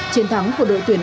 chiến thắng của đội tuyển